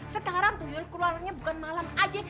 sekarang tuh yul keluarannya bukan malam aja